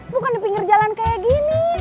bukan di pinggir jalan kayak gini